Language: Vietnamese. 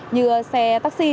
như xe taxi